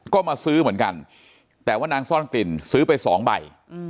ก็มาซื้อเหมือนกันแต่ว่านางซ่อนกลิ่นซื้อไปสองใบ